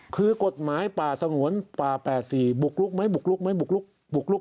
คือกฎหมายป่าสงวนป่า๘๔บุกลูกไหมบุกลูกแล้วเป็นยังไง